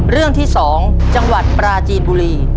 เรื่องที่๒จังหวัดปราจีนบุรี